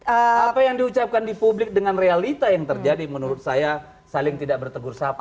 apa yang diucapkan di publik dengan realita yang terjadi menurut saya saling tidak bertegur sapa